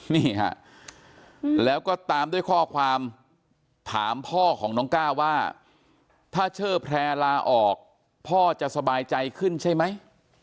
นี่ฮะแล้วก็ตามด้วยข้อความถามพ่อของน้องก้าว่าว่าถ้าเชอร์แพร่ลาออกพ่อจะสบายใจขึ้นใช่ไหม